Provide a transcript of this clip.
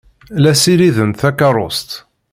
La ssirident takeṛṛust.